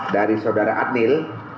dari saudara adnil